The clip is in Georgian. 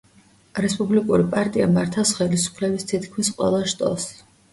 რესპუბლიკური პარტია მართავს ხელისუფლების თითქმის ყველა შტოს.